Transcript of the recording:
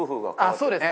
そうですね。